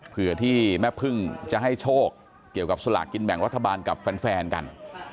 เพื่อที่แม่พึ่งจะให้โชคเกี่ยวกับสลากกินแบ่งรัฐบาลกับแฟนกัน